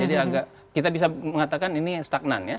jadi agak kita bisa mengatakan ini stagnan ya